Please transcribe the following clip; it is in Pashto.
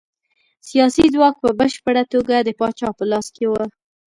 سیاسي ځواک په بشپړه توګه د پاچا په لاس کې و.